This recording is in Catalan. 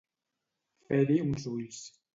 Fer-hi uns ulls.